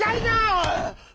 おい！